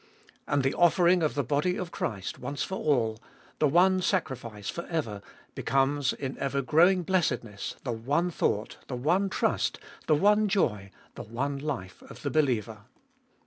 And the offering of the body of Christ once for all, the one sacrifice for ever, becomes, in ever growing blessedness, the one thought, the one trust, the one joy, the one life of the believer.